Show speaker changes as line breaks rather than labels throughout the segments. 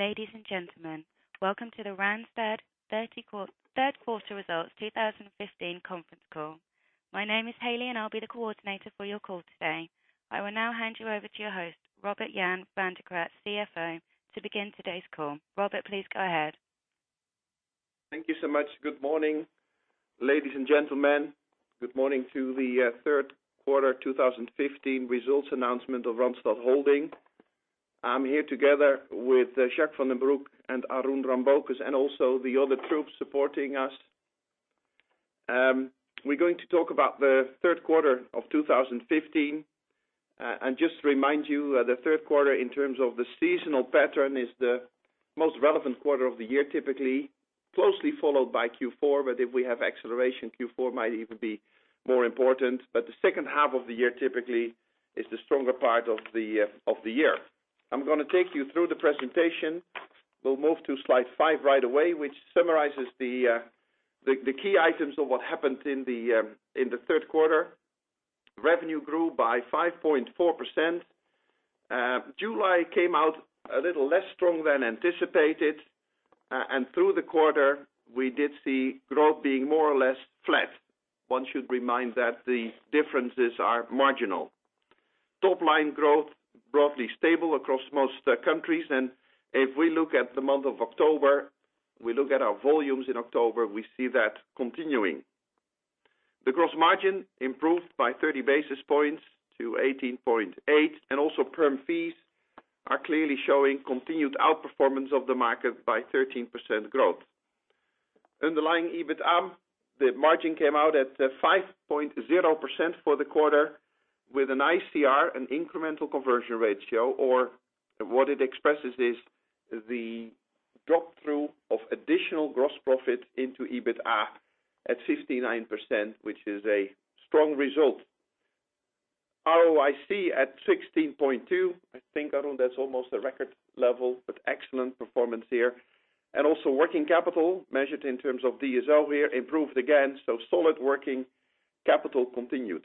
Ladies and gentlemen, welcome to the Randstad Third Quarter Results 2015 conference call. My name is Haley, and I'll be the coordinator for your call today. I will now hand you over to your host, Robert-Jan van de Kraats, CFO, to begin today's call. Robert, please go ahead.
Thank you so much. Good morning, ladies and gentlemen. Good morning to the third quarter 2015 results announcement of Randstad Holding. I'm here together with Jacques van den Broek and Arun Rambocus, and also the other troops supporting us. We're going to talk about the third quarter of 2015. Just to remind you, the third quarter in terms of the seasonal pattern is the most relevant quarter of the year, typically, closely followed by Q4. If we have acceleration, Q4 might even be more important. The second half of the year typically is the stronger part of the year. I'm going to take you through the presentation. We'll move to slide five right away, which summarizes the key items of what happened in the third quarter. Revenue grew by 5.4%. July came out a little less strong than anticipated. Through the quarter, we did see growth being more or less flat. One should remind that the differences are marginal. Top line growth, broadly stable across most countries. If we look at the month of October, we look at our volumes in October, we see that continuing. The gross margin improved by 30 basis points to 18.8%, and also perm fees are clearly showing continued outperformance of the market by 13% growth. Underlying EBITA, the margin came out at 5.0% for the quarter with an ICR, an incremental conversion ratio or what it expresses is the drop-through of additional gross profit into EBITA at 59%, which is a strong result. ROIC at 16.2%. I think, Arun, that's almost a record level with excellent performance here. Also working capital measured in terms of DSO here improved again, so solid working capital continued.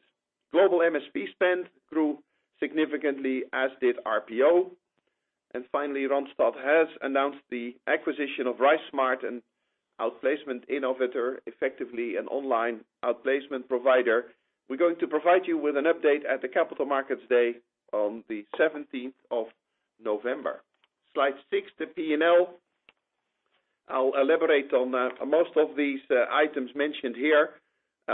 Global MSP spend grew significantly, as did RPO. Finally, Randstad has announced the acquisition of RiseSmart and Outplacement Innovator, effectively an online outplacement provider. We're going to provide you with an update at the Capital Markets Day on the 17th of November. Slide six, the P&L. I'll elaborate on most of these items mentioned here.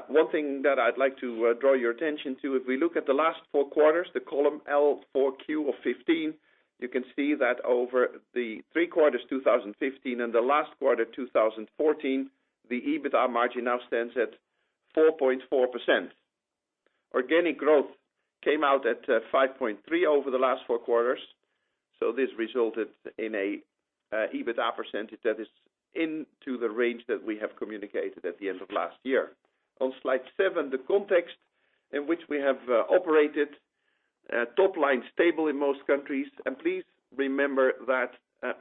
One thing that I'd like to draw your attention to, if we look at the last four quarters, the column L four Q of '15, you can see that over the three quarters 2015 and the last quarter 2014, the EBITA margin now stands at 4.4%. Organic growth came out at 5.3% over the last four quarters, this resulted in an EBITA percentage that is into the range that we have communicated at the end of last year. On slide seven, the context in which we have operated. Top line stable in most countries. Please remember that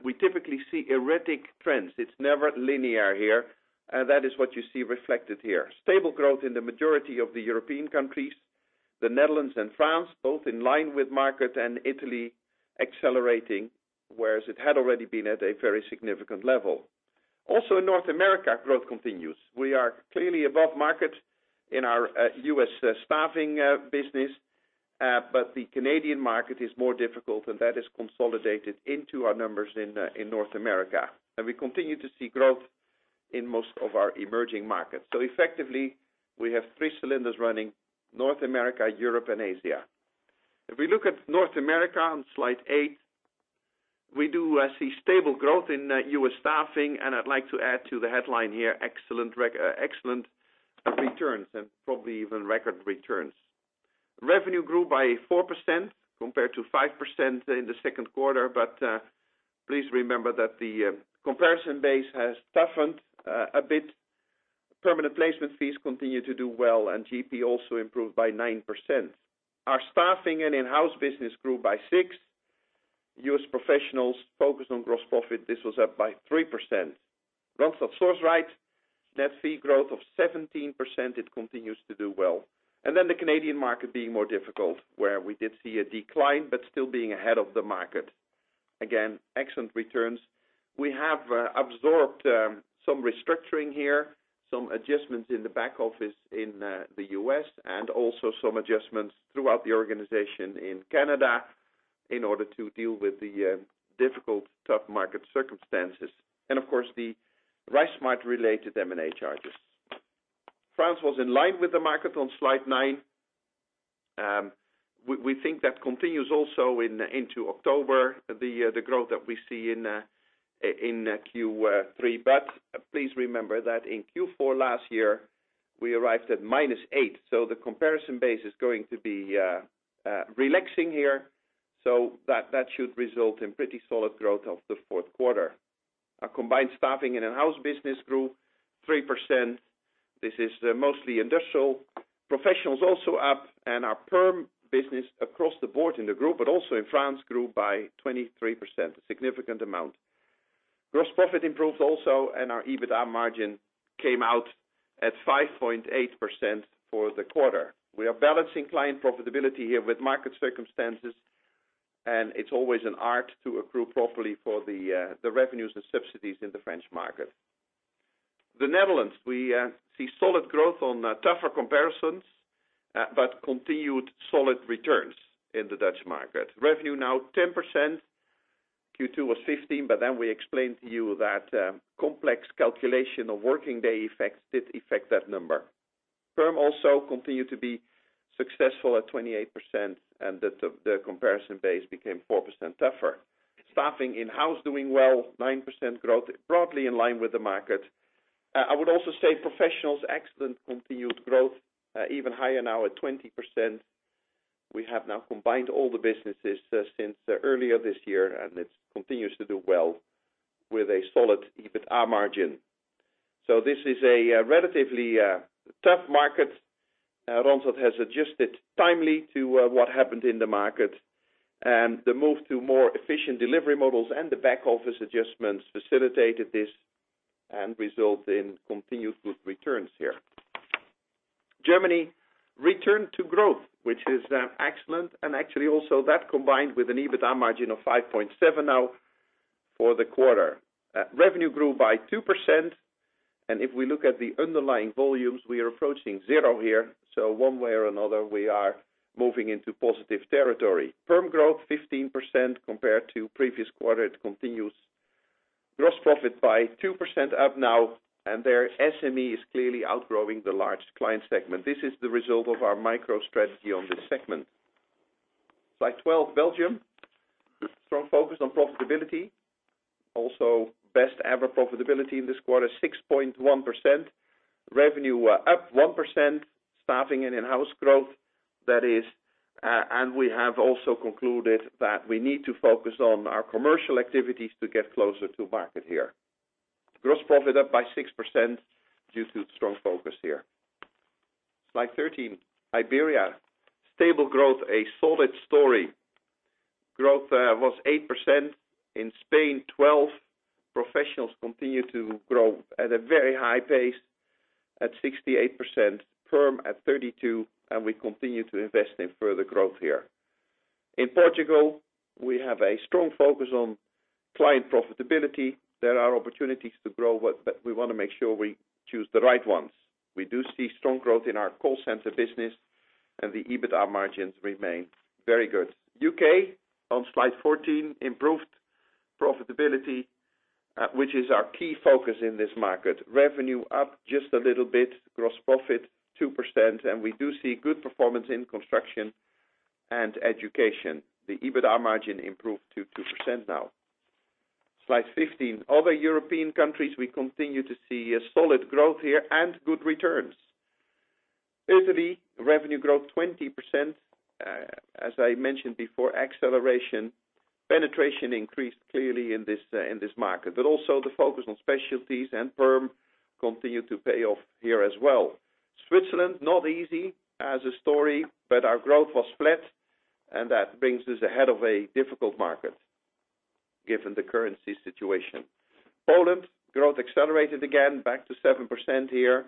we typically see erratic trends. It's never linear here. That is what you see reflected here. Stable growth in the majority of the European countries, the Netherlands and France, both in line with market and Italy accelerating, whereas it had already been at a very significant level. Also North America, growth continues. We are clearly above market in our U.S. staffing business, but the Canadian market is more difficult, and that is consolidated into our numbers in North America. We continue to see growth in most of our emerging markets. Effectively, we have three cylinders running North America, Europe, and Asia. If we look at North America on slide eight, we do see stable growth in U.S. staffing, and I'd like to add to the headline here, excellent returns and probably even record returns. Revenue grew by 4% compared to 5% in the second quarter. Please remember that the comparison base has toughened a bit. Permanent placement fees continue to do well. GP also improved by 9%. Our staffing and in-house business grew by six. U.S. professionals focused on gross profit. This was up by 3%. Randstad Sourceright, net fee growth of 17%. It continues to do well. The Canadian market being more difficult, where we did see a decline but still being ahead of the market. Again, excellent returns. We have absorbed some restructuring here, some adjustments in the back office in the U.S., and also some adjustments throughout the organization in Canada in order to deal with the difficult, tough market circumstances. Of course, the RiseSmart related M&A charges. France was in line with the market on slide nine. We think that continues also into October, the growth that we see in Q3. Please remember that in Q4 last year, we arrived at minus eight. The comparison base is going to be relaxing here, that should result in pretty solid growth of the fourth quarter. Our combined staffing and in-house business grew 3%. This is mostly industrial. Professionals also up and our perm business across the board in the group, but also in France, grew by 23%, a significant amount. Gross profit improved also. Our EBITA margin came out at 5.8% for the quarter. We are balancing client profitability here with market circumstances, and it's always an art to accrue properly for the revenues and subsidies in the French market. The Netherlands, we see solid growth on tougher comparisons, but continued solid returns in the Dutch market. Revenue now 10%. Q2 was 15. We explained to you that complex calculation of working day effects did affect that number. Perm also continued to be successful at 28%. The comparison base became 4% tougher. Staffing in-house doing well, 9% growth, broadly in line with the market. I would also say professionals, excellent continued growth, even higher now at 20%. We have now combined all the businesses since earlier this year. It continues to do well with a solid EBITA margin. This is a relatively tough market. Randstad has adjusted timely to what happened in the market. The move to more efficient delivery models and the back-office adjustments facilitated this and result in continued good returns here. Germany returned to growth, which is excellent. Actually also that combined with an EBITA margin of 5.7 now for the quarter. Revenue grew by 2%, and if we look at the underlying volumes, we are approaching zero here. One way or another, we are moving into positive territory. Perm growth 15% compared to previous quarter, it continues. Gross profit by 2% up now, and their SME is clearly outgrowing the large client segment. This is the result of our micro strategy on this segment. Slide 12, Belgium. Strong focus on profitability. Also best ever profitability in this quarter, 6.1%. Revenue up 1%, staffing and in-house growth, that is. We have also concluded that we need to focus on our commercial activities to get closer to market here. Gross profit up by 6% due to strong focus here. Slide 13, Iberia. Stable growth, a solid story. Growth was 8%, in Spain 12%. Professionals continue to grow at a very high pace at 68%, perm at 32%, and we continue to invest in further growth here. In Portugal, we have a strong focus on client profitability. There are opportunities to grow, but we want to make sure we choose the right ones. We do see strong growth in our call center business, and the EBITA margins remain very good. U.K., on slide 14, improved profitability, which is our key focus in this market. Revenue up just a little bit, gross profit 2%, and we do see good performance in construction and education. The EBITA margin improved to 2% now. Slide 15. Other European countries, we continue to see a solid growth here and good returns. Italy, revenue growth 20%. As I mentioned before, acceleration. Penetration increased clearly in this market, but also the focus on specialties and perm continue to pay off here as well. Switzerland, not easy as a story, but our growth was flat, and that brings us ahead of a difficult market given the currency situation. Poland, growth accelerated again, back to 7% here,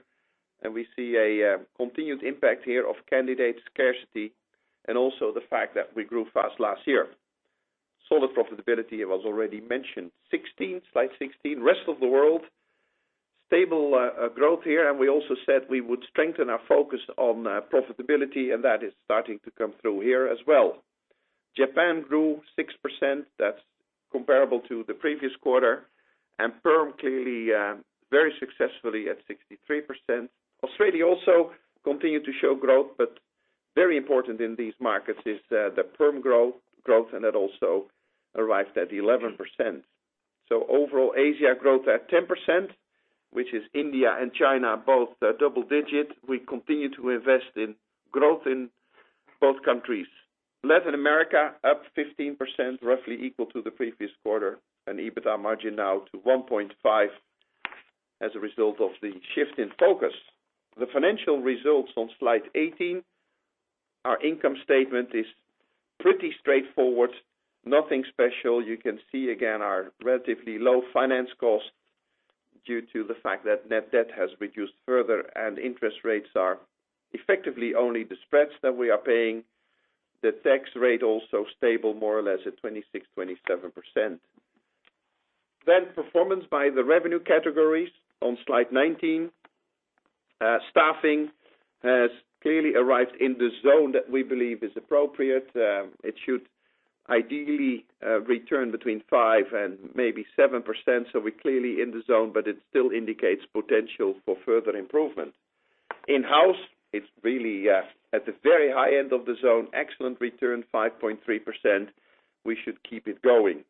and we see a continued impact here of candidate scarcity and also the fact that we grew fast last year. Solid profitability, it was already mentioned. Slide 16. Rest of the world. Stable growth here, and we also said we would strengthen our focus on profitability, and that is starting to come through here as well. Japan grew 6%. That's comparable to the previous quarter, and perm clearly very successfully at 63%. Australia also continued to show growth, but very important in these markets is the perm growth, and that also arrived at 11%. Overall, Asia growth at 10%, which is India and China, both double digit. We continue to invest in growth in both countries. Latin America up 15%, roughly equal to the previous quarter, and EBITA margin now to 1.5% as a result of the shift in focus. The financial results on slide 18. Our income statement is pretty straightforward. Nothing special. You can see again our relatively low finance cost due to the fact that net debt has reduced further and interest rates are effectively only the spreads that we are paying. The tax rate also stable more or less at 26%-27%. Performance by the revenue categories on slide 19. Staffing has clearly arrived in the zone that we believe is appropriate. It should ideally return between 5% and maybe 7%, so we're clearly in the zone, but it still indicates potential for further improvement. In-house, it's really at the very high end of the zone. Excellent return, 5.3%. We should keep it going.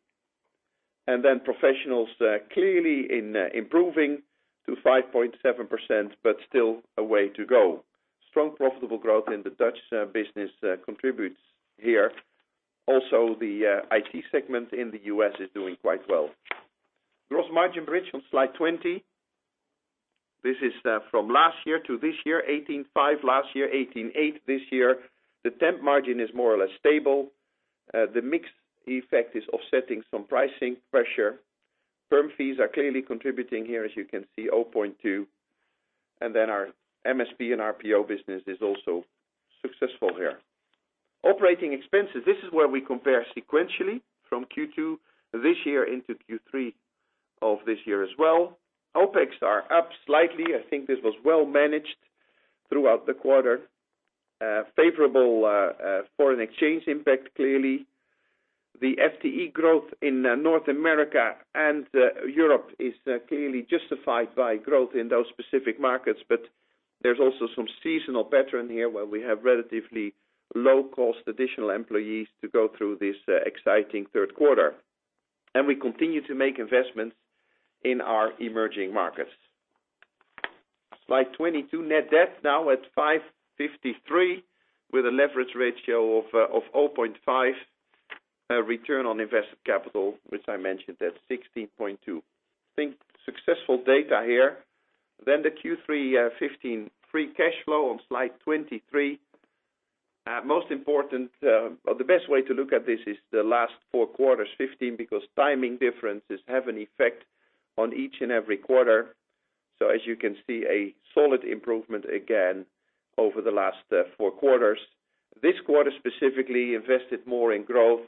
Professionals clearly improving to 5.7%, but still a way to go. Strong profitable growth in the Dutch business contributes here. Also, the IT segment in the U.S. is doing quite well. Gross margin bridge on slide 20. This is from last year to this year, 18.5% last year, 18.8% this year. The temp margin is more or less stable. The mix effect is offsetting some pricing pressure. Firm fees are clearly contributing here, as you can see, 0.2%. Our MSP and RPO business is also successful here. Operating expenses. This is where we compare sequentially from Q2 this year into Q3 of this year as well. OPEX are up slightly. I think this was well managed throughout the quarter. Favorable foreign exchange impact, clearly. The FTE growth in North America and Europe is clearly justified by growth in those specific markets, but there's also some seasonal pattern here where we have relatively low-cost additional employees to go through this exciting third quarter. We continue to make investments in our emerging markets. Slide 22, net debt now at 553 million with a leverage ratio of 0.5. Return on invested capital, which I mentioned, at 16.2%. The Q3 2015 free cash flow on slide 23. The best way to look at this is the last four quarters 2015 because timing differences have an effect on each and every quarter. As you can see, a solid improvement again over the last four quarters. This quarter specifically invested more in growth,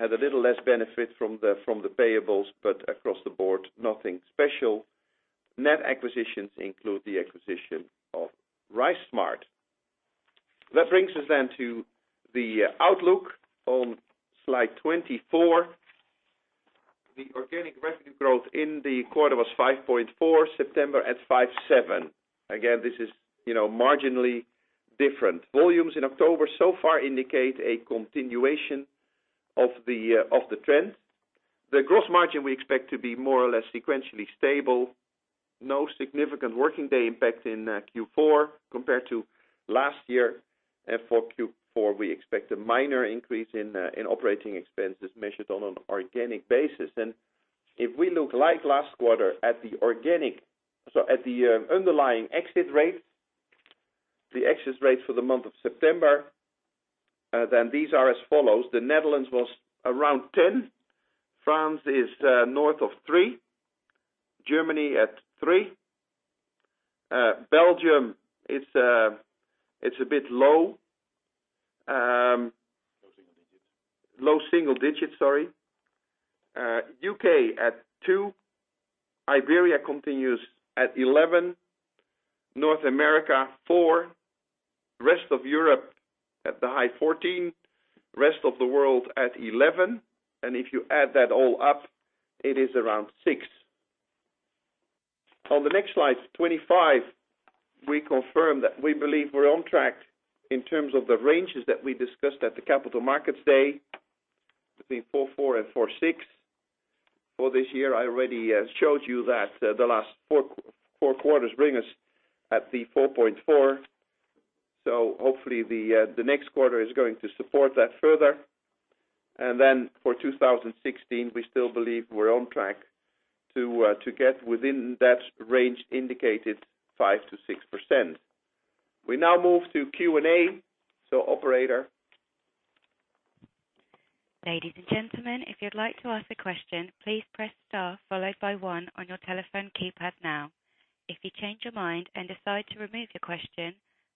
had a little less benefit from the payables, but across the board, nothing special. Net acquisitions include the acquisition of RiseSmart. That brings us then to the outlook on slide 24. The organic revenue growth in the quarter was 5.4%, September at 5.7%. Again, this is marginally different. Volumes in October so far indicate a continuation of the trend. The gross margin we expect to be more or less sequentially stable. No significant working day impact in Q4 compared to last year. For Q4, we expect a minor increase in operating expenses measured on an organic basis. If we look like last quarter at the underlying exit rates, the exit rates for the month of September, these are as follows. The Netherlands was around 10%. France is north of 3%. Germany at 3%. Belgium, it's a bit low.
Low single digits.
Low single digits, sorry. U.K. at two. Iberia continues at 11. North America, four. Rest of Europe at the high 14. Rest of the world at 11. If you add that all up, it is around six. On the next slide, 25, we confirm that we believe we're on track in terms of the ranges that we discussed at the Capital Markets Day between 4.4 and 4.6. For this year, I already showed you that the last four quarters bring us at the 4.4. Hopefully, the next quarter is going to support that further. For 2016, we still believe we're on track to get within that range indicated 5%-6%. We now move to Q&A. Operator.
Ladies and gentlemen, if you'd like to ask a question, please press star followed by one on your telephone keypad now. If you change your mind and decide to remove your question,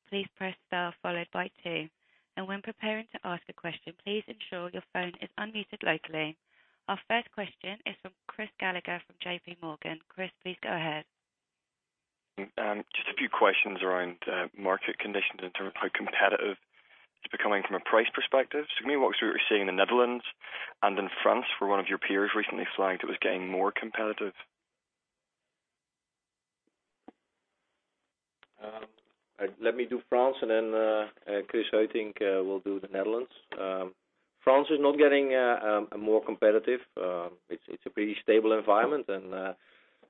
please press star followed by two. When preparing to ask a question, please ensure your phone is unmuted locally. Our first question is from Chris Gallagher from JPMorgan. Chris, please go ahead.
Just a few questions around market conditions in terms of how competitive it's becoming from a price perspective. Maybe what you're seeing in the Netherlands and in France, where one of your peers recently flagged it was getting more competitive.
Let me do France and then, Chris, I think we'll do the Netherlands. France is not getting more competitive. It's a pretty stable environment.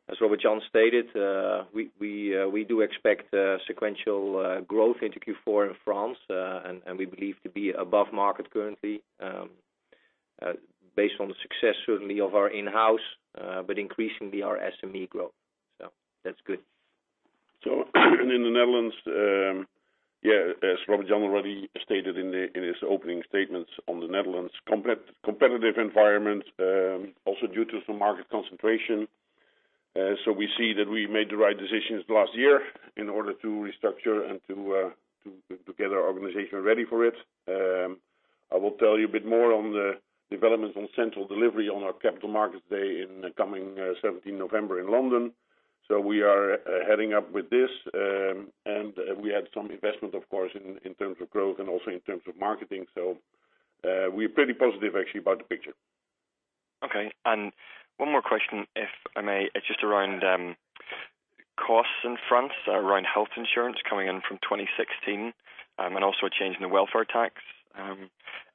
As Robert-Jan stated, we do expect sequential growth into Q4 in France, and we believe to be above market currently, based on the success certainly of our in-house, but increasingly our SME growth. That's good.
In the Netherlands, as Robert-Jan already stated in his opening statements on the Netherlands, competitive environment, also due to some market concentration. We see that we made the right decisions last year in order to restructure and to get our organization ready for it. I will tell you a bit more on the developments on central delivery on our Capital Markets Day in the coming 17th November in London. We are heading up with this. We had some investment, of course, in terms of growth and also in terms of marketing. We're pretty positive, actually, about the picture.
Okay. One more question, if I may. It's just around costs in France, around health insurance coming in from 2016 and also a change in the welfare tax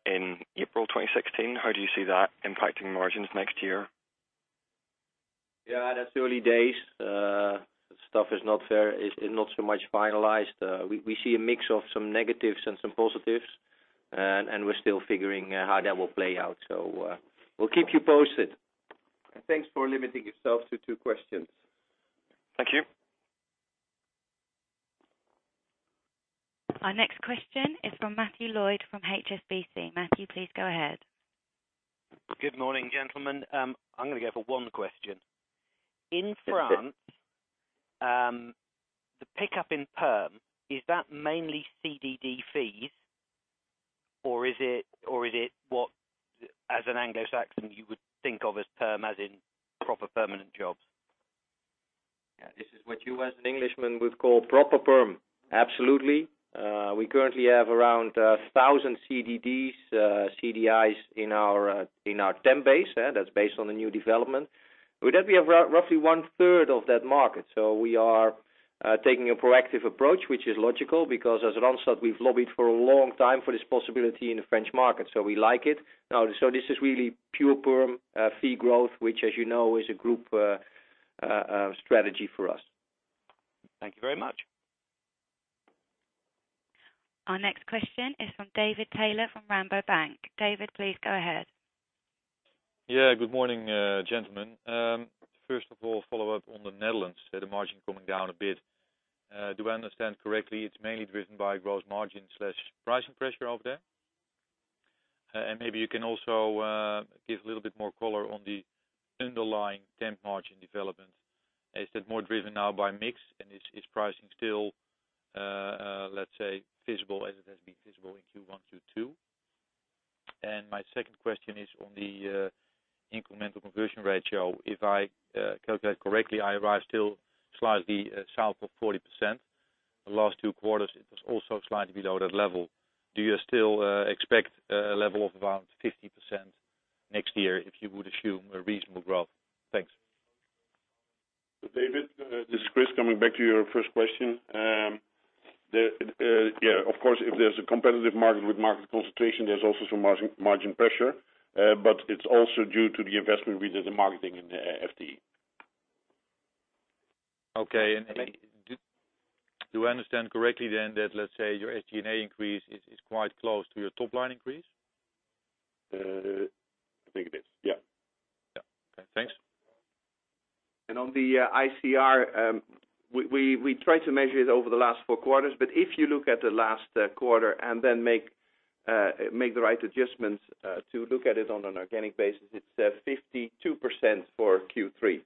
in April 2016. How do you see that impacting margins next year?
Yeah, that's early days. Stuff is not so much finalized. We see a mix of some negatives and some positives
We're still figuring how that will play out. We'll keep you posted.
Thanks for limiting yourself to two questions.
Thank you. Our next question is from Matthew Lloyd from HSBC. Matthew, please go ahead.
Good morning, gentlemen. I'm going to go for one question. In France, the pickup in perm, is that mainly CDD fees or is it what, as an Anglo-Saxon, you would think of as perm, as in proper permanent jobs?
This is what you as an Englishman would call proper perm. Absolutely. We currently have around 1,000 CDDs, CDIs in our temp base. That is based on the new development. With that, we have roughly one-third of that market. We are taking a proactive approach, which is logical because as Randstad, we have lobbied for a long time for this possibility in the French market, we like it. This is really pure perm fee growth, which as you know, is a group strategy for us.
Thank you very much.
Our next question is from David Taylor from Rabobank. David, please go ahead.
Good morning, gentlemen. First of all, follow up on the Netherlands, the margin coming down a bit. Do I understand correctly, it is mainly driven by gross margin/pricing pressure over there? Maybe you can also give a little bit more color on the underlying temp margin development. Is that more driven now by mix? Is pricing still, let us say, feasible as it has been feasible in Q1, Q2? My second question is on the incremental conversion ratio. If I calculate correctly, I arrive still slightly south of 40%. The last two quarters, it was also slightly below that level. Do you still expect a level of around 50% next year if you would assume a reasonable growth? Thanks.
David, this is Chris, coming back to your first question. Of course, if there's a competitive market with market concentration, there's also some margin pressure. It's also due to the investment we did in marketing in the FD.
Okay. Do I understand correctly that, let's say, your SG&A increase is quite close to your top-line increase?
I think it is, yeah.
Yeah. Okay. Thanks.
On the ICR, we try to measure it over the last 4 quarters, but if you look at the last quarter and make the right adjustments to look at it on an organic basis, it is 52% for Q3.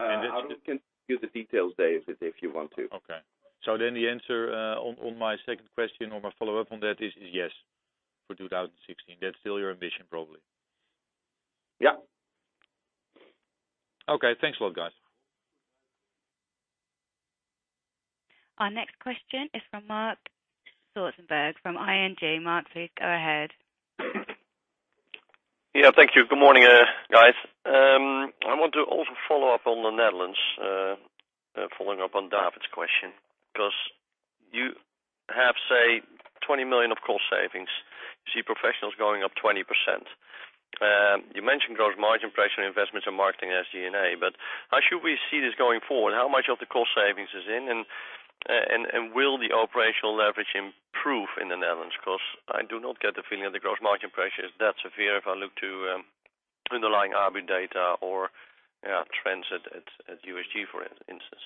I can give the details, David, if you want to.
Okay. The answer on my second question or my follow-up on that is yes for 2016. That is still your ambition, probably.
Yeah.
Okay. Thanks a lot, guys.
Our next question is from Marc Zwartsenburg from ING. Marc, please go ahead.
Thank you. Good morning, guys. I want to also follow up on the Netherlands, following up on David's question. You have, say, 20 million of cost savings. You see professionals going up 20%. You mentioned gross margin pressure, investments in marketing SG&A. How should we see this going forward? How much of the cost savings is in, and will the operational leverage improve in the Netherlands? I do not get the feeling that the gross margin pressure is that severe if I look to underlying ABU data or trends at USG People, for instance,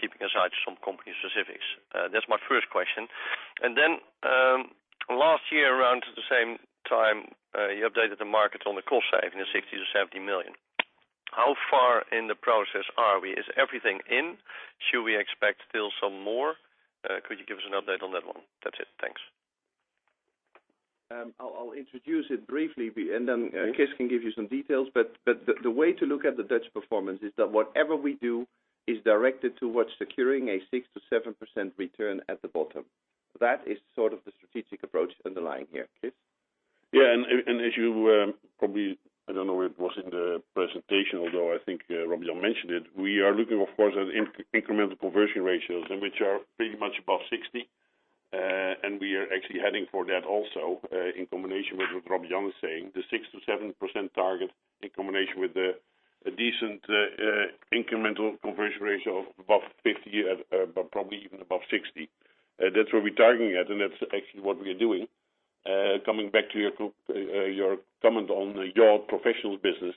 keeping aside some company specifics. That is my first question. Last year, around the same time, you updated the market on the cost savings of 60 million-70 million. How far in the process are we? Is everything in? Should we expect still some more? Could you give us an update on that one? That is it. Thanks.
I will introduce it briefly, and then Chris can give you some details. The way to look at the Dutch performance is that whatever we do is directed towards securing a 6%-7% return at the bottom. That is sort of the strategic approach underlying here. Chris?
As you probably, I do not know where it was in the presentation, although I think Robert-Jan mentioned it. We are looking, of course, at incremental conversion ratios, which are pretty much above 60. We are actually heading for that also in combination with what Robert-Jan is saying. The 6%-7% target in combination with a decent incremental conversion ratio of above 50, probably even above 60. That is where we are targeting at, and that is actually what we are doing. Coming back to your comment on your professionals business.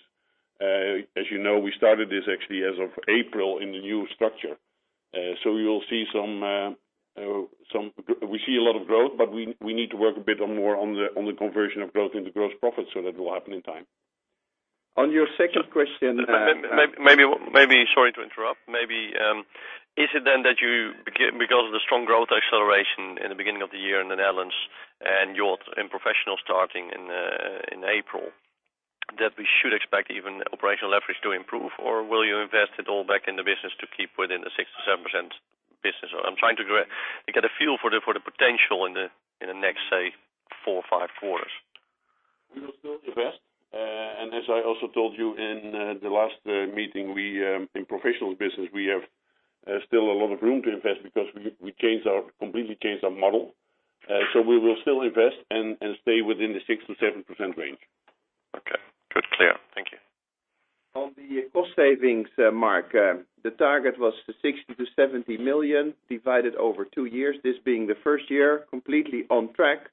As you know, we started this actually as of April in the new structure. We see a lot of growth, but we need to work a bit more on the conversion of growth into gross profit. That will happen in time.
On your second question.
Maybe, sorry to interrupt. Is it then that you, because of the strong growth acceleration in the beginning of the year in the Netherlands and professionals starting in April, that we should expect even operational leverage to improve, or will you invest it all back in the business to keep within the 6%-7% business? I'm trying to get a feel for the potential in the next, say, four or five quarters.
We will still invest. As I also told you in the last meeting, in professionals business, we have still a lot of room to invest because we completely changed our model. We will still invest and stay within the 6%-7% range.
On the cost savings, Mark, the target was the 60 million-70 million divided over two years, this being the first year completely on track.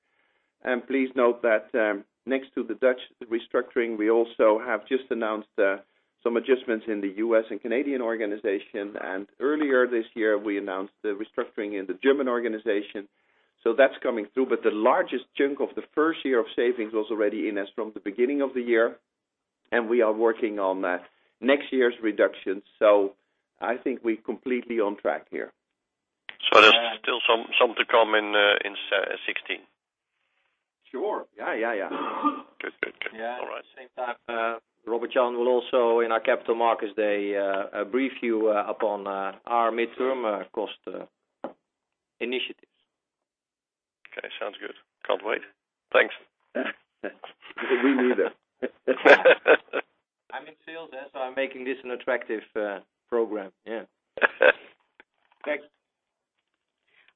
Please note that next to the Dutch restructuring, we also have just announced some adjustments in the U.S. and Canadian organization. Earlier this year, we announced the restructuring in the German organization. That's coming through. The largest chunk of the first year of savings was already in as from the beginning of the year, and we are working on next year's reductions. I think we're completely on track here.
there's still some to come in 2016?
Sure. Yeah.
Good. All right.
At the same time, Robert-Jan will also, in our Capital Markets Day, brief you upon our midterm cost initiatives.
Okay, sounds good. Can't wait. Thanks.
Yeah. We neither. I'm in sales, so I'm making this an attractive program, yeah.
Thanks.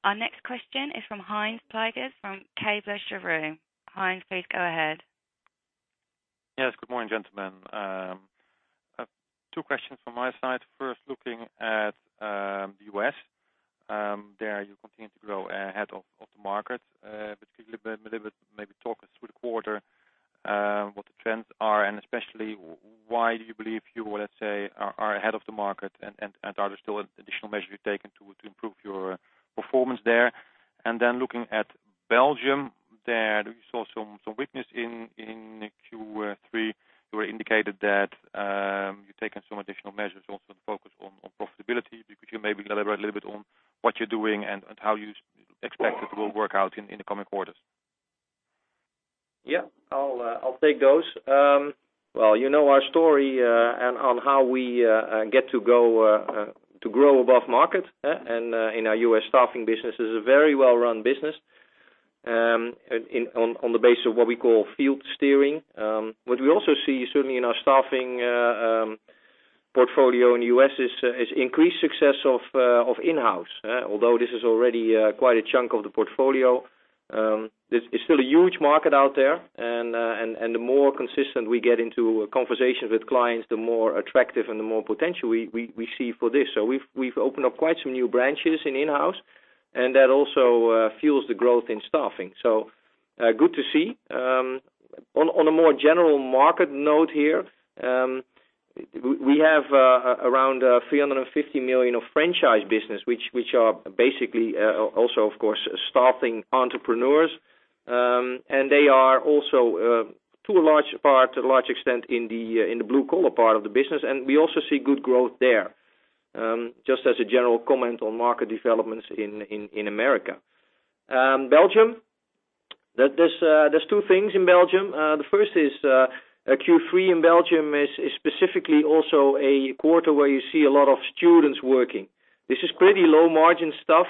Our next question is from Hans Pluijgers from Kepler Cheuvreux. Hans, please go ahead.
Yes. Good morning, gentlemen. Two questions from my side. First, looking at the U.S., there you continue to grow ahead of the market. Could you maybe talk us through the quarter, what the trends are, and especially why do you believe you, let's say, are ahead of the market, and are there still additional measures you've taken to improve your performance there? Then looking at Belgium, there we saw some weakness in Q3. You indicated that you've taken some additional measures also to focus on profitability. Could you maybe elaborate a little bit on what you're doing and how you expect it will work out in the coming quarters?
Yeah, I'll take those. Well, you know our story on how we get to grow above market. In our U.S. staffing business is a very well-run business, on the base of what we call field steering. What we also see certainly in our staffing portfolio in the U.S. is increased success of in-house. Although this is already quite a chunk of the portfolio, there's still a huge market out there, and the more consistent we get into conversations with clients, the more attractive and the more potential we see for this. We've opened up quite some new branches in in-house, and that also fuels the growth in staffing. Good to see. On a more general market note here, we have around 350 million of franchise business, which are basically also, of course, staffing entrepreneurs. They are also to a large extent in the blue-collar part of the business, and we also see good growth there. Just as a general comment on market developments in the U.S. Belgium. There are two things in Belgium. The first is Q3 in Belgium is specifically also a quarter where you see a lot of students working. This is pretty low-margin stuff.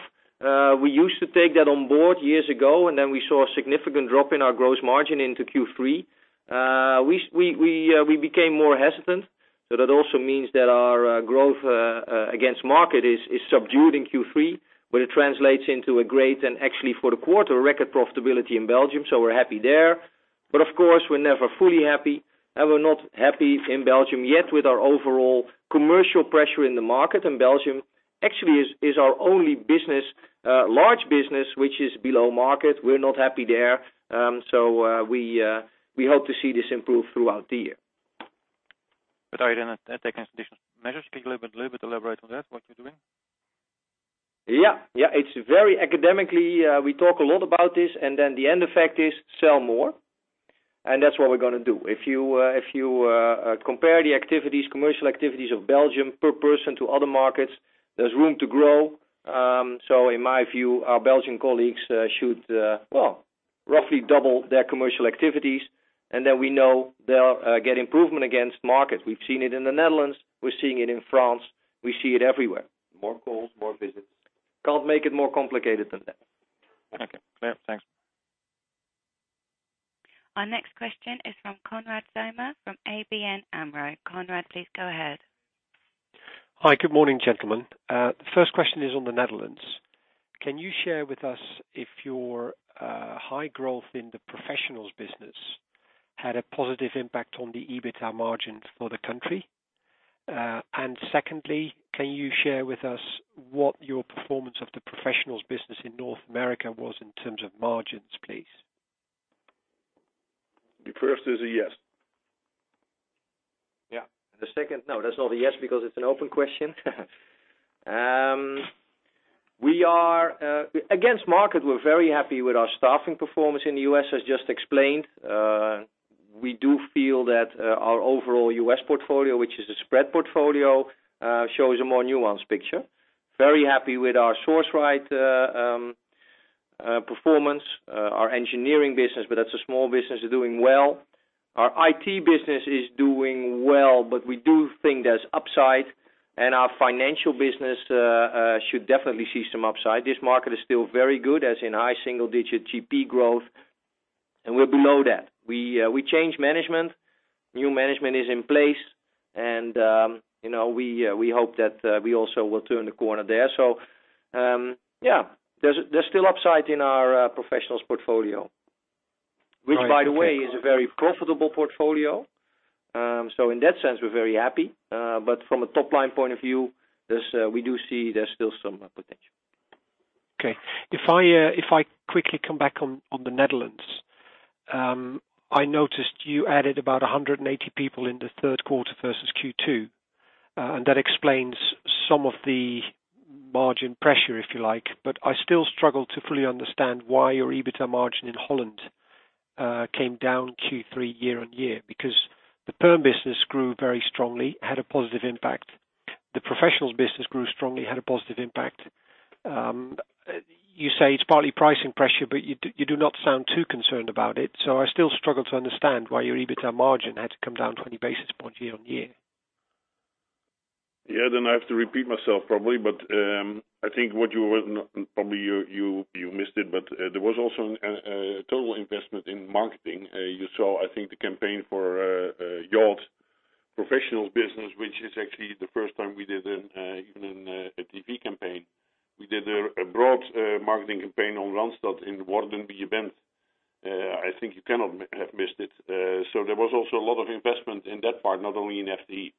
We used to take that on board years ago, and then we saw a significant drop in our gross margin into Q3. We became more hesitant. That also means that our growth against market is subdued in Q3, but it translates into a great, and actually for the quarter, record profitability in Belgium, so we're happy there. Of course, we're never fully happy, and we're not happy in Belgium yet with our overall commercial pressure in the market. Belgium actually is our only large business which is below market. We're not happy there. We hope to see this improve throughout the year.
Are you then taking additional measures? Could you a little bit elaborate on that, what you're doing?
Yeah. It is very academically, we talk a lot about this, the end effect is sell more. That is what we are going to do. If you compare the commercial activities of Belgium per person to other markets, there is room to grow. In my view, our Belgian colleagues should, well, roughly double their commercial activities, and then we know they will get improvement against market. We have seen it in the Netherlands. We are seeing it in France. We see it everywhere. More calls, more visits. Cannot make it more complicated than that.
Okay. Clear. Thanks.
Our next question is from Konrad Zomer from ABN AMRO. Konrad, please go ahead.
Hi. Good morning, gentlemen. The first question is on the Netherlands. Can you share with us if your high growth in the professionals business had a positive impact on the EBITA margin for the country? Secondly, can you share with us what your performance of the professionals business in North America was in terms of margins, please?
The first is a yes.
Yeah.
The second, no, that's not a yes because it's an open question. Against market, we're very happy with our staffing performance in the U.S., as just explained. We do feel that our overall U.S. portfolio, which is a spread portfolio, shows a more nuanced picture. Very happy with our Sourceright performance. Our engineering business, but that's a small business, is doing well. Our IT business is doing well, but we do think there's upside. Our financial business should definitely see some upside. This market is still very good, as in high single-digit GP growth, and we're below that. We changed management. New management is in place, and we hope that we also will turn the corner there. Yeah, there's still upside in our professionals portfolio. Which by the way, is a very profitable portfolio. In that sense, we're very happy. From a top-line point of view, we do see there's still some potential.
Okay. If I quickly come back on the Netherlands, I noticed you added about 180 people in the third quarter versus Q2, and that explains some of the margin pressure, if you like. I still struggle to fully understand why your EBITA margin in Holland came down Q3 year-on-year, because the perm business grew very strongly, had a positive impact. The professionals business grew strongly, had a positive impact. You say it's partly pricing pressure, but you do not sound too concerned about it. I still struggle to understand why your EBITA margin had to come down 20 basis points year-on-year.
Yeah. I have to repeat myself, probably, but I think probably you missed it, but there was also a total investment in marketing. You saw, I think, the campaign for Yacht Professionals business, which is actually the first time we did even a TV campaign. We did a broad marketing campaign on Randstad in. I think you cannot have missed it. There was also a lot of investment in that part, not only in FTE.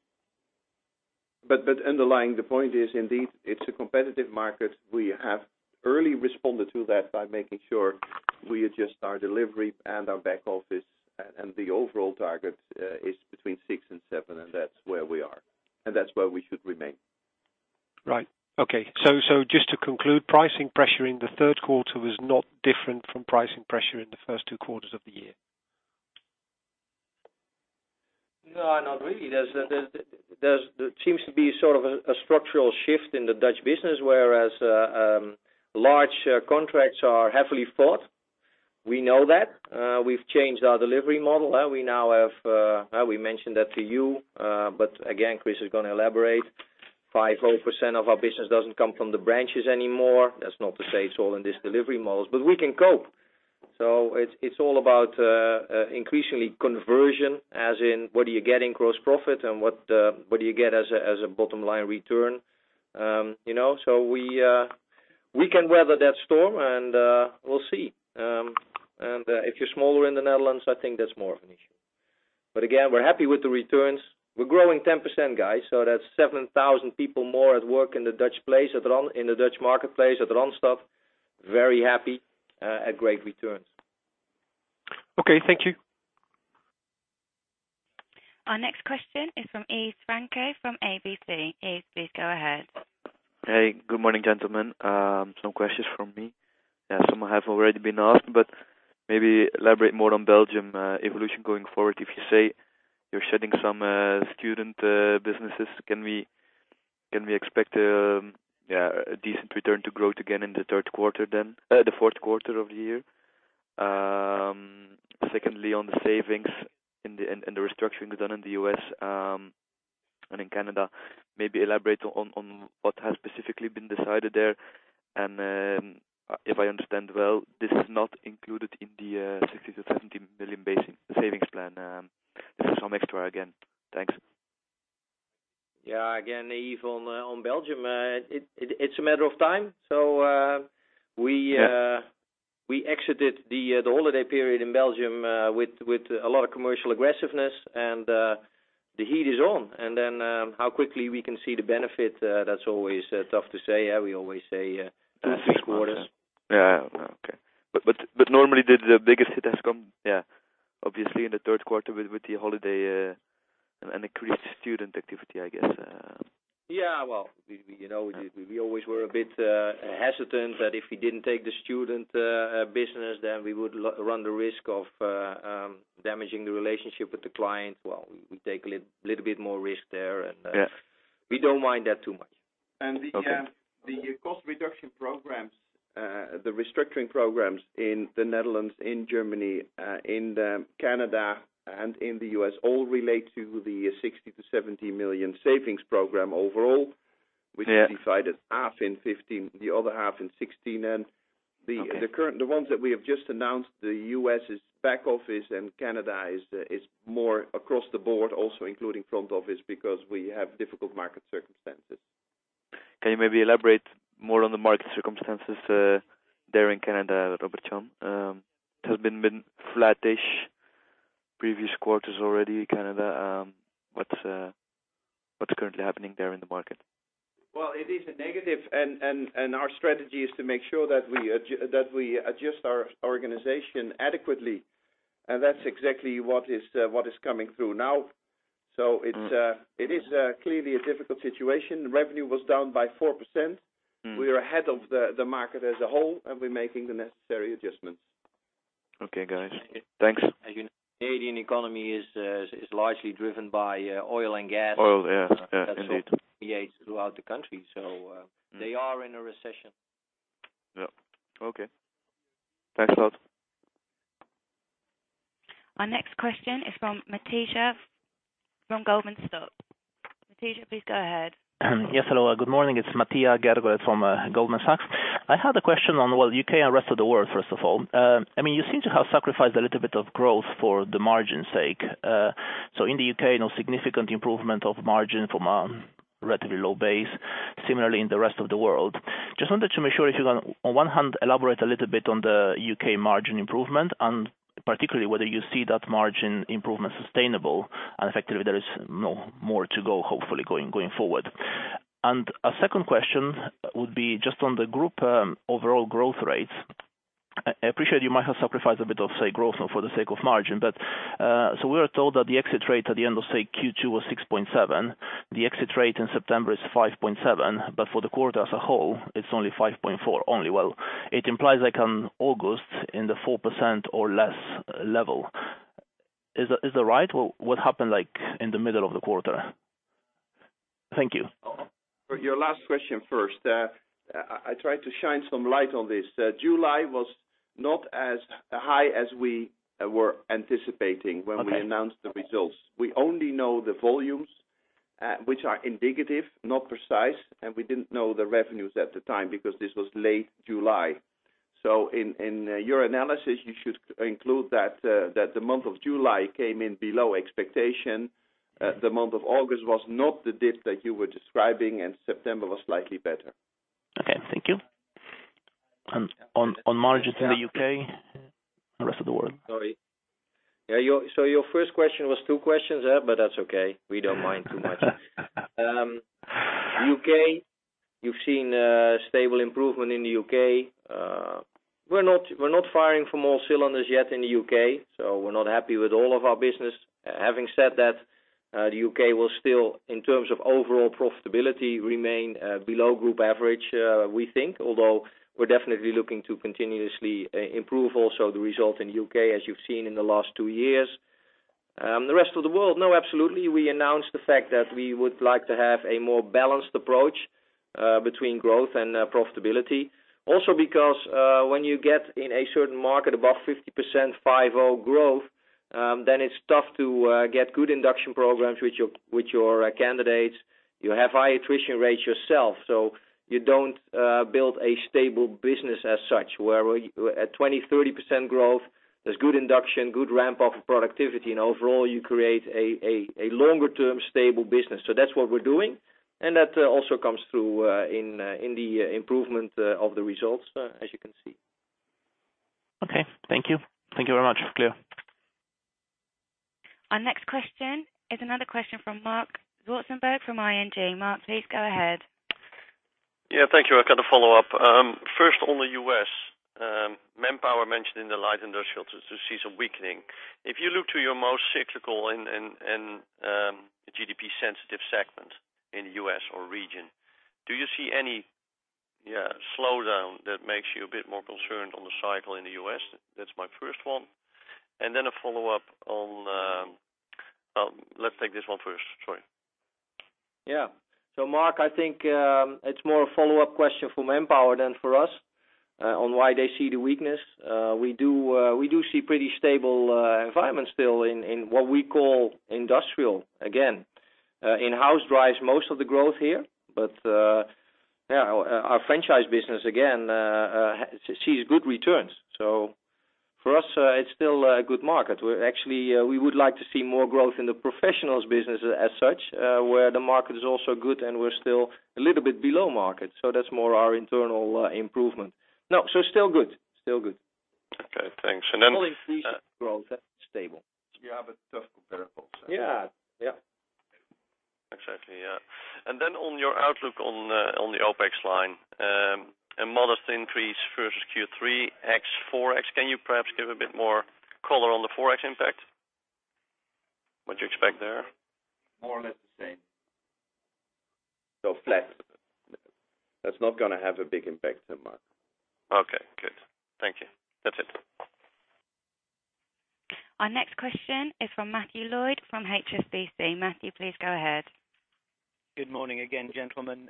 Underlying the point is indeed, it's a competitive market. We have early responded to that by making sure we adjust our delivery and our back office, and the overall target is between six and seven, and that's where we are, and that's where we should remain.
Right. Okay. Just to conclude, pricing pressure in the third quarter was not different from pricing pressure in the first two quarters of the year.
No, not really. There seems to be sort of a structural shift in the Dutch business, whereas large contracts are heavily fought. We know that. We've changed our delivery model. We mentioned that to you. Again, Chris is going to elaborate. 5% of our business doesn't come from the branches anymore. That's not to say it's all in this delivery models, but we can cope. It's all about increasingly conversion, as in what are you getting gross profit and what do you get as a bottom-line return? We can weather that storm, and we'll see. If you're smaller in the Netherlands, I think that's more of an issue. Again, we're happy with the returns. We're growing 10%, guys, that's 7,000 people more at work in the Dutch marketplace at Randstad. Very happy at great returns.
Okay. Thank you.
Our next question is from Yves Franco from KBC. Yves, please go ahead.
Hey, good morning, gentlemen. Some questions from me. Yeah, some have already been asked, but maybe elaborate more on Belgium evolution going forward. If you say you're shedding some student businesses, can we expect a decent return to growth again in the fourth quarter of the year? Secondly, on the savings and the restructuring done in the U.S. and in Canada, maybe elaborate on what has specifically been decided there. If I understand well, this is not included in the 60 million-70 million savings plan. This is some extra again. Thanks.
Yeah. Again, Yves, on Belgium, it's a matter of time. We exited the holiday period in Belgium with a lot of commercial aggressiveness, and the heat is on. How quickly we can see the benefit, that's always tough to say. We always say two to three quarters.
Yeah. Okay. Normally, the biggest hit has come, obviously, in the third quarter with the holiday and increased student activity, I guess.
Yeah. Well, we always were a bit hesitant that if we didn't take the student business, then we would run the risk of damaging the relationship with the client. Well, we take a little bit more risk there, and we don't mind that too much.
Okay.
The cost reduction programs, the restructuring programs in the Netherlands, in Germany, in Canada, and in the U.S. all relate to the 60 million-70 million savings program overall-
Yeah
which is divided half in 2015, the other half in 2016.
Okay.
The ones that we have just announced, the U.S.' back office and Canada is more across the board, also including front office, because we have difficult market circumstances.
Can you maybe elaborate more on the market circumstances there in Canada, Robert-Jan? It has been flattish previous quarters already, Canada. What's currently happening there in the market?
It is a negative, and our strategy is to make sure that we adjust our organization adequately, and that's exactly what is coming through now. It is clearly a difficult situation. Revenue was down by 4%. We are ahead of the market as a whole, and we're making the necessary adjustments.
Okay, guys. Thanks.
As you know, Canadian economy is largely driven by oil and gas.
Oil, yeah. Indeed.
That's what PA throughout the country. They are in a recession.
Yep. Okay. Thanks a lot.
Our next question is from Matija from Goldman Sachs. Matija, please go ahead.
Yes, hello. Good morning. It's Matija Gergolet from Goldman Sachs. I had a question on, well, U.K. and rest of the world, first of all. You seem to have sacrificed a little bit of growth for the margin's sake. In the U.K., no significant improvement of margin from a relatively low base. Similarly in the rest of the world. Just wanted to make sure if you can, on one hand, elaborate a little bit on the U.K. margin improvement, and particularly whether you see that margin improvement sustainable and effectively there is more to go, hopefully, going forward. A second question would be just on the group overall growth rates. I appreciate you might have sacrificed a bit of, say, growth for the sake of margin. We were told that the exit rate at the end of, say, Q2 was 6.7. The exit rate in September is 5.7, for the quarter as a whole, it's only 5.4 only. Well, it implies like in August in the 4% or less level. Is that right? What happened in the middle of the quarter? Thank you.
Your last question first. I tried to shine some light on this. July was not as high as we were anticipating when-
Okay
We announced the results. We only know the volumes, which are indicative, not precise, and we didn't know the revenues at the time because this was late July. In your analysis, you should include that the month of July came in below expectation. The month of August was not the dip that you were describing, and September was slightly better.
Okay. Thank you. On margins in the U.K. and rest of the world?
Sorry. Your first question was two questions there, but that's okay. We don't mind too much. U.K., you've seen a stable improvement in the U.K. We're not firing from all cylinders yet in the U.K., so we're not happy with all of our business. Having said that, the U.K. will still, in terms of overall profitability, remain below group average, we think, although we're definitely looking to continuously improve also the result in U.K., as you've seen in the last two years. The rest of the world. No, absolutely. We announced the fact that we would like to have a more balanced approach between growth and profitability. Because when you get in a certain market above 50% 5.0 growth, then it's tough to get good induction programs with your candidates. You have high attrition rates yourself, you don't build a stable business as such, where at 20%, 30% growth, there's good induction, good ramp-up of productivity, and overall you create a longer-term stable business. That's what we're doing, and that also comes through in the improvement of the results, as you can see.
Okay. Thank you. Thank you very much. Clear.
Our next question is another question from Marc Zwartsenburg from ING. Marc, please go ahead.
Yeah, thank you. I've got a follow-up. First on the U.S. ManpowerGroup mentioned in the light industrial to see some weakening. If you look to your most cyclical and GDP-sensitive segment in the U.S. or region, do you see any slowdown that makes you a bit more concerned on the cycle in the U.S.? That's my first one. A follow-up on, let's take this one first. Sorry.
Yeah. Marc, I think it's more a follow-up question for ManpowerGroup than for us on why they see the weakness. We do see pretty stable environments still in what we call industrial. Again, in-house drives most of the growth here. Our franchise business, again, sees good returns. For us, it's still a good market. Actually, we would like to see more growth in the professionals business as such, where the market is also good and we're still a little bit below market. That's more our internal improvement. No, still good.
Okay, thanks.
Slow increase growth, stable.
We have a tough comparable.
Yeah.
Exactly, yeah. On your outlook on the OpEx line, a modest increase versus Q3, ex-Forex. Can you perhaps give a bit more color on the Forex impact? What do you expect there?
More or less the same.
Flat. That's not going to have a big impact on mine.
Okay, good. Thank you. That's it.
Our next question is from Matthew Lloyd from HSBC. Matthew, please go ahead.
Good morning again, gentlemen.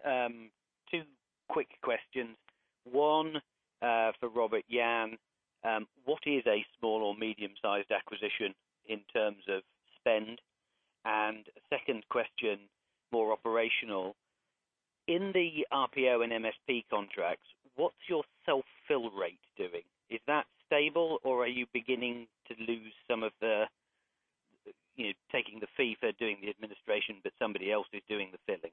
Two quick questions. One for Robert-Jan. What is a small or medium-sized acquisition in terms of spend? Second question, more operational. In the RPO and MSP contracts, what's your self-fill rate doing? Is that stable or are you beginning to lose some of the taking the fee for doing the administration, but somebody else is doing the filling?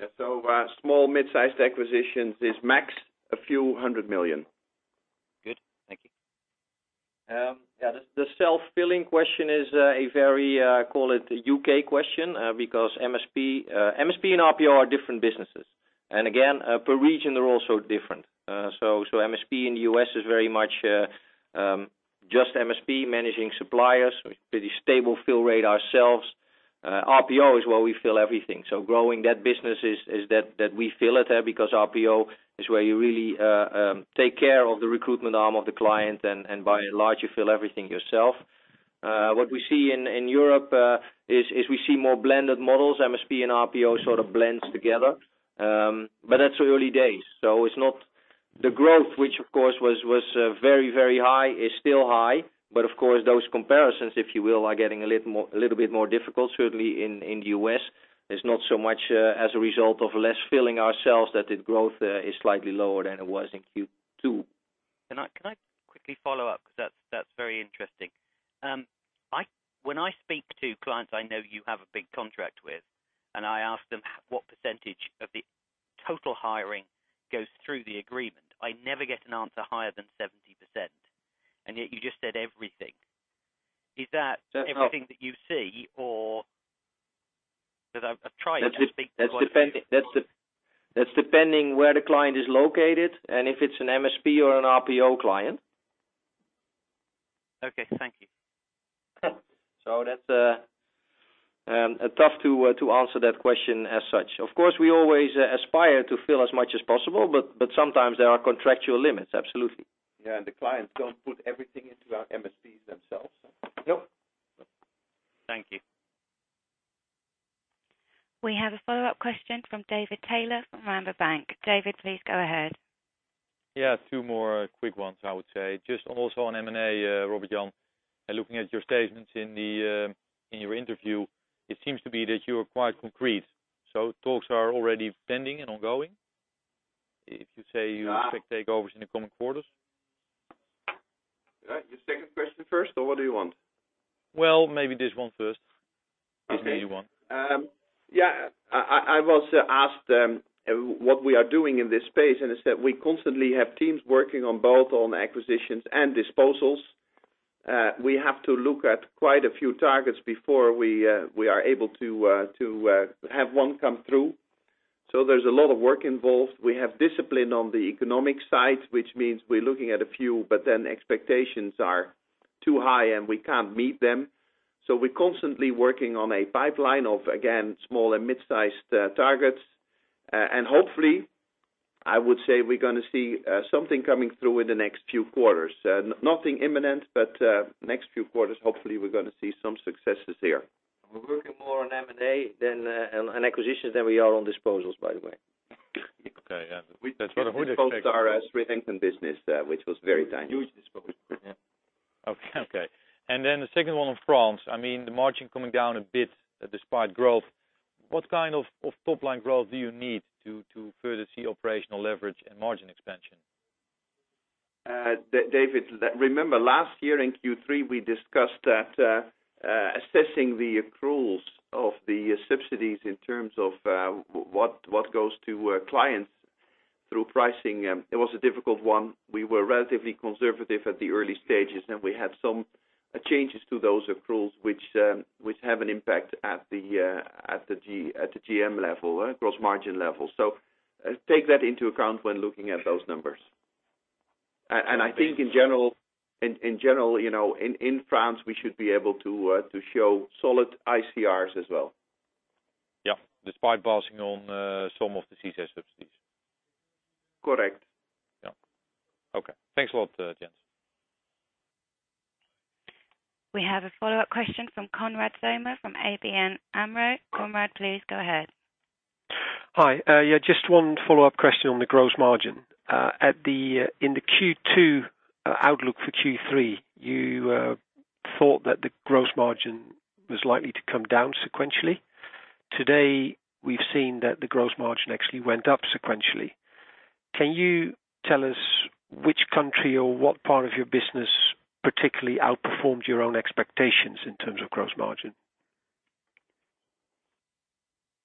Yeah. Small, mid-sized acquisitions is max EUR a few hundred million.
Good. Thank you.
Yeah. The self-filling question is a very, call it, U.K. question, because MSP and RPO are different businesses. Again, per region, they're also different. MSP in the U.S. is very much just MSP managing suppliers with pretty stable fill rate ourselves. RPO is where we fill everything. Growing that business is that we fill it there because RPO is where you really take care of the recruitment arm of the client, and by and large, you fill everything yourself. What we see in Europe is we see more blended models. MSP and RPO sort of blends together. That's early days. The growth, which of course was very high, is still high. Of course, those comparisons, if you will, are getting a little bit more difficult. Certainly in the U.S., it's not so much as a result of less filling ourselves that the growth is slightly lower than it was in Q2.
Can I quickly follow up? That's very interesting. When I speak to clients I know you have a big contract with, and I ask them what percentage of the total hiring goes through the agreement, I never get an answer higher than 70%. Yet you just said everything. Is that everything that you see or?
That's depending where the client is located and if it's an MSP or an RPO client.
Okay. Thank you.
That's tough to answer that question as such. Of course, we always aspire to fill as much as possible, but sometimes there are contractual limits, absolutely.
Yeah. The clients don't put everything into our MSPs themselves.
Nope.
Thank you.
We have a follow-up question from David Taylor from Rabobank. David, please go ahead.
Yeah. Two more quick ones, I would say. Just also on M&A, Robert Jan, looking at your statements in your interview, it seems to be that you are quite concrete. Talks are already pending and ongoing? If you say you expect takeovers in the coming quarters.
The second question first or what do you want?
Well, maybe this one first. This may be one.
Yeah. I was asked what we are doing in this space. I said we constantly have teams working on both on acquisitions and disposals. We have to look at quite a few targets before we are able to have one come through. There's a lot of work involved. We have discipline on the economic side, which means we're looking at a few. Expectations are too high and we can't meet them. We're constantly working on a pipeline of, again, small and mid-sized targets. Hopefully, I would say we're going to see something coming through in the next few quarters. Nothing imminent. Next few quarters, hopefully, we're going to see some successes here.
We're working more on M&A and acquisitions than we are on disposals, by the way.
Okay. Yeah. That's what I would expect.
We disposed our Sridempan business, which was very tiny.
Huge disposal. Yeah.
Okay. The second one on France. The margin coming down a bit despite growth. What kind of top-line growth do you need to further see operational leverage and margin expansion?
David, remember last year in Q3, we discussed that assessing the accruals of the subsidies in terms of what goes to clients through pricing, it was a difficult one. We were relatively conservative at the early stages, and we had some changes to those accruals which have an impact at the GM level, gross margin level. Take that into account when looking at those numbers. I think in general, in France, we should be able to show solid ICRs as well.
Yeah. Despite passing on some of the CS subsidies.
Correct.
Yeah. Okay. Thanks a lot, gents.
We have a follow-up question from Konrad Zomer from ABN AMRO. Konrad, please go ahead.
Hi. Yeah, just one follow-up question on the gross margin. In the Q2 outlook for Q3, you thought that the gross margin was likely to come down sequentially. Today, we've seen that the gross margin actually went up sequentially. Can you tell us which country or what part of your business particularly outperformed your own expectations in terms of gross margin?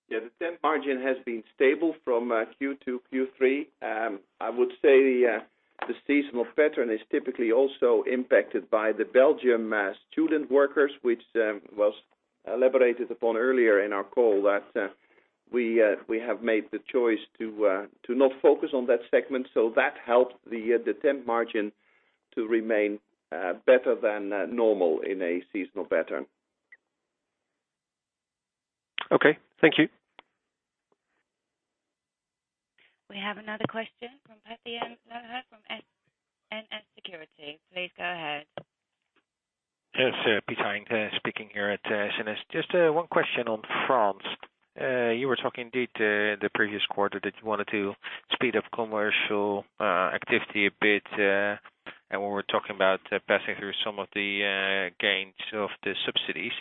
Yeah. The temp margin has been stable from Q2, Q3. I would say the seasonal pattern is typically also impacted by the Belgium student workers, which was elaborated upon earlier in our call that we have made the choice to not focus on that segment. That helped the temp margin to remain better than normal in a seasonal pattern.
Okay. Thank you.
We have another question from Patty from SNS Securities. Please go ahead.
Yes. Pete speaking here at S&S. Just one question on France. You were talking indeed the previous quarter that you wanted to speed up commercial activity a bit. We were talking about passing through some of the gains of the subsidies.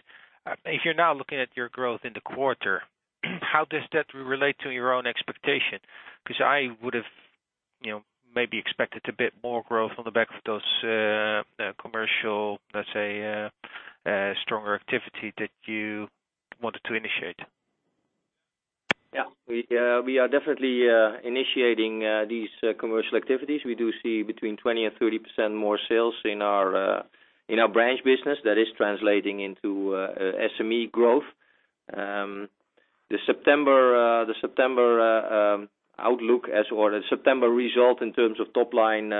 If you're now looking at your growth in the quarter, how does that relate to your own expectation? I would have maybe expected a bit more growth on the back of those commercial, let's say, stronger activity that you wanted to initiate.
We are definitely initiating these commercial activities. We do see between 20% and 30% more sales in our branch business that is translating into SME growth. The September outlook as well as September result in terms of top line,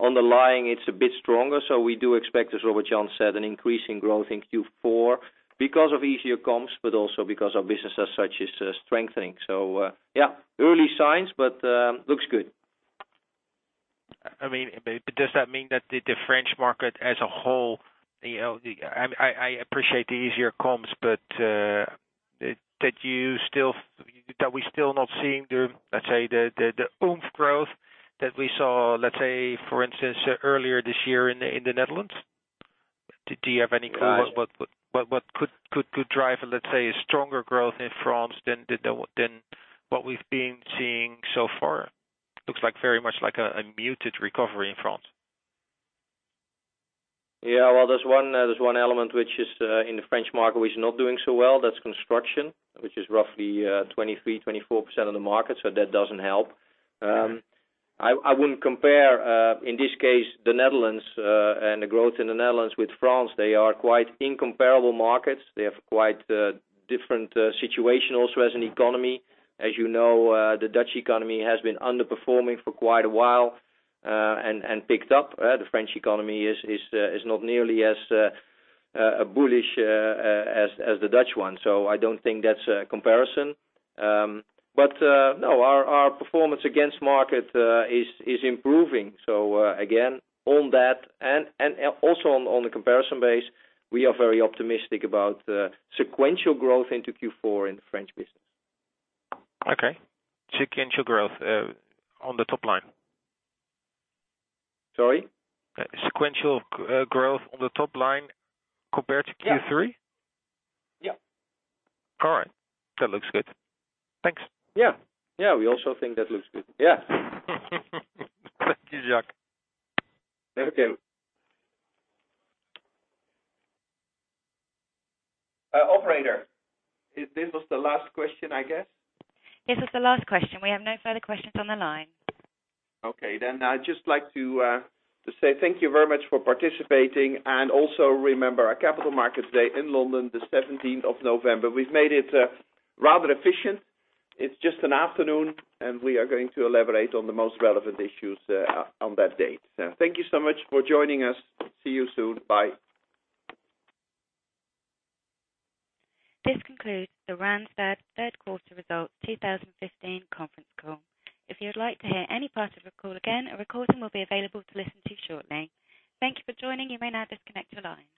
underlying, it's a bit stronger. We do expect, as Robert-Jan said, an increase in growth in Q4 because of easier comps, also because our business as such is strengthening. Early signs, looks good.
Does that mean that the French market as a whole, I appreciate the easier comps, are we still not seeing the, let's say, the oomph growth that we saw, let's say, for instance, earlier this year in the Netherlands? Do you have any clues what could drive, let's say, a stronger growth in France than what we've been seeing so far? Looks very much like a muted recovery in France.
Yeah. Well, there's one element which is in the French market, which is not doing so well. That's construction, which is roughly 23%-24% of the market. That doesn't help. I wouldn't compare, in this case, the Netherlands and the growth in the Netherlands with France. They are quite incomparable markets. They have quite a different situation also as an economy. As you know, the Dutch economy has been underperforming for quite a while and picked up. The French economy is not nearly as bullish as the Dutch one. I don't think that's a comparison. No, our performance against market is improving. Again, on that and also on the comparison base, we are very optimistic about sequential growth into Q4 in the French business.
Okay. Sequential growth on the top line?
Sorry?
Sequential growth on the top line compared to Q3?
Yeah.
All right. That looks good. Thanks.
Yeah. We also think that looks good. Yeah.
Thank you, Jacques.
Okay. Operator, this was the last question, I guess.
This was the last question. We have no further questions on the line.
Okay, I'd just like to say thank you very much for participating, and also remember our Capital Markets Day in London, the 17th of November. We've made it rather efficient. It's just an afternoon, and we are going to elaborate on the most relevant issues on that date. Thank you so much for joining us. See you soon. Bye.
This concludes the Randstad Third Quarter Results 2015 conference call. If you would like to hear any part of the call again, a recording will be available to listen to shortly. Thank you for joining. You may now disconnect your lines.